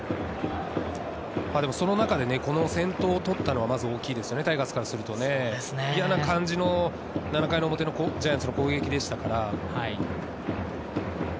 その中で先頭を取ったのはまず大きいですね、タイガースからすると、嫌な感じの流れの中でジャイアンツの攻撃ですから。